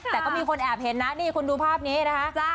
แต่ก็มีคนแอบเห็นนะนี่คุณดูภาพนี้นะคะ